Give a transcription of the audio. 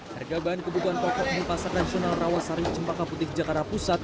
harga bahan kebutuhan pokok di pasar nasional rawasari cempaka putih jakarta pusat